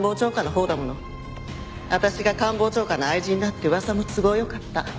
私が官房長官の愛人だって噂も都合良かった。